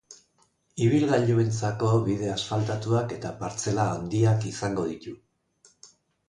Ibilgailuentzako bide asfaltatuak eta partzela handiak izango ditu.